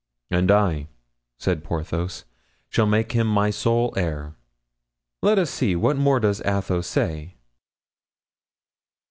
"And I," said Porthos, "shall make him my sole heir." "Let us see, what more does Athos say?"